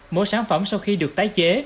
mỗi sản phẩm sau khi được tái chế